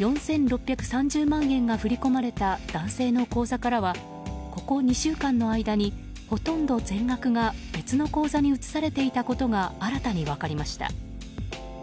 ４６３０万円が振り込まれた男性の口座からはここ２週間の間にほとんど全額が別の口座に移されていたことが新たに分かりました。